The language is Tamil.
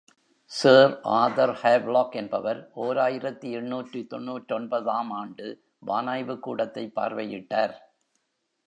சர் ஆர்தர் ஹாவ்லாக் என்பவர் ஓர் ஆயிரத்து எண்ணூற்று தொன்னூற்றொன்பது ஆம் ஆண்டு வானாய்வுக்கூடத்தைப் பார்வையிட்டார்.